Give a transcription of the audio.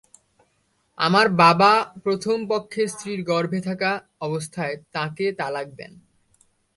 আমার বাবা প্রথম পক্ষের স্ত্রীর গর্ভে বাচ্চা থাকা অবস্থায় তাঁকে তালাক দেন।